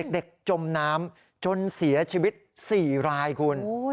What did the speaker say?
จมน้ำจนเสียชีวิต๔รายคุณ